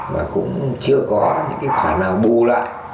và cũng chưa có những cái khoản nào bù lại